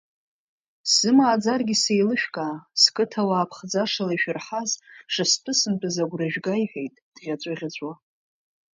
Сзымааӡаргьы сеилышәкаа, сқыҭауаа ԥхӡашала ишәырҳаз шыстәысымтәыз агәра жәга иҳәеит, дӷьаҵәыӷьаҵәуа.